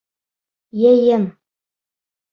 Йыйын